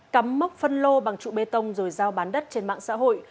cắm mốc phân lô bằng trụ bê tông rồi giao bán đất trên mạng xã hội